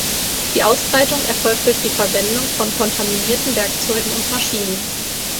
Die Ausbreitung erfolgt durch die Verwendung von kontaminierten Werkzeugen und Maschinen.